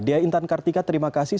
dea intan kartika terima kasih